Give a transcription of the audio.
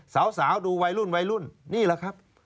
สาวดูวัยรุ่นนี่แหละครับ